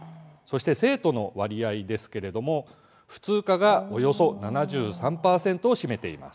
生徒の割合ですが普通科がおよそ７３％を占めています。